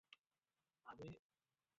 কোম্পানিওয়ালা, আধা দামে দিচ্ছিল।